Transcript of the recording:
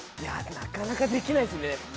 なかなかできないですね。